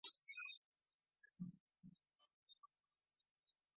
威涅人口变化图示